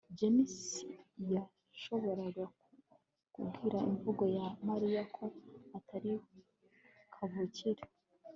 james yashoboraga kubwira imvugo ya mariya ko atari kavukire